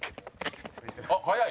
「あっ速い！」